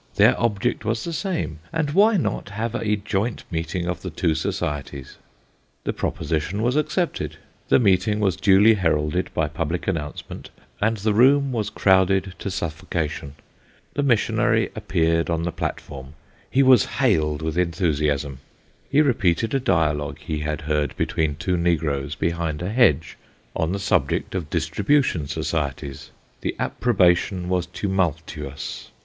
Their object was the same, and why not have a joint meeting of the two societies ? The proposition was accepted. The meeting was duly heralded by public announcement, and the room was crowded to suffocation. The Missionary appeared on the platform; he was hailed with enthusiasm. He repeated a dialogue he had heard between two negroes, behind a hedge, on the subject of distribution societies; the approbation was tumultuous.